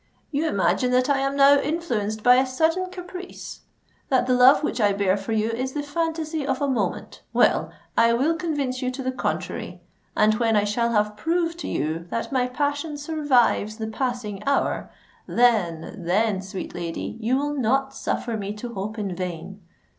"You imagine that I am now influenced by a sudden caprice—that the love which I bear for you is the phantasy of a moment. Well—I will convince you to the contrary; and when I shall have proved to you that my passion survives the passing hour—then—then, sweet lady, you will not suffer me to hope in vain!